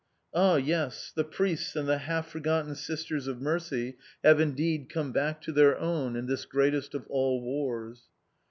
Ah yes, the Priests and the half forgotten Sisters of Mercy have indeed come back to their own in this greatest of all Wars!